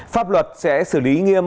pháp luật sẽ xử lý nghiêm